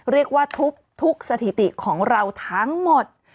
เรียกว่าทุกสถิติของเราทั้งหมด